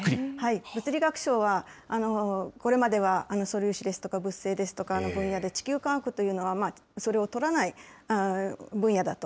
物理学賞は、これまでは素粒子ですとか、物性ですとか、あの分野で、地球環境というのはそれをとらない分野だと。